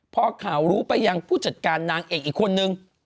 พอข่าวรู้ไปยังผู้จัดการนางเอกอีกคนนึง